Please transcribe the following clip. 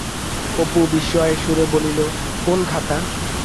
অপু বিস্ময়ের সুরে বলিল, কোন খাতায়?